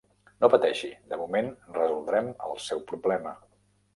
No pateixi, de moment resoldrem el seu problema.